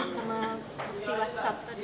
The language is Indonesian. sama waktu whatsapp tadi